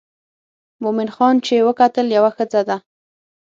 مومن خان چې وکتل یوه ښځه ده.